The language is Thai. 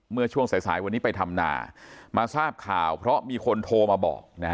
เมื่อช่วงสายสายวันนี้ไปทำนามาทราบข่าวเพราะมีคนโทรมาบอกนะฮะ